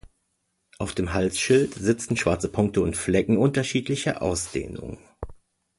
Auf dem Halsschild sitzen schwarze Punkte und Flecken unterschiedlicher Ausdehnung.